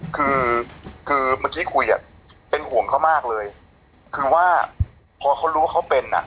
คือคือเมื่อกี้คุยอ่ะเป็นห่วงเขามากเลยคือว่าพอเขารู้ว่าเขาเป็นอ่ะ